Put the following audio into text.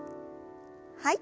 はい。